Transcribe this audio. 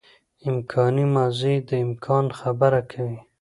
امکاني ماضي د امکان خبره کوي.